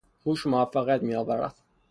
هوش موفقیت میآورد.